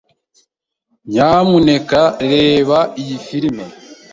Nyamuneka reba iyi firime.